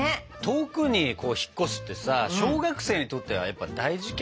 遠くに引っ越すってさ小学生にとってはやっぱ大事件ですもんね。